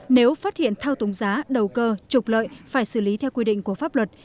nếu phát hiện thao túng giá đầu cơ trục lợi phải xử lý theo quy định của pháp luật